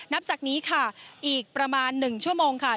นับจากนี้ค่ะอีกประมาณ๑ชั่วโมงค่ะ